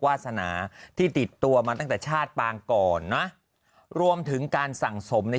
วาสนาที่ติดตัวมาตั้งแต่ชาติปางก่อนนะรวมถึงการสั่งสมใน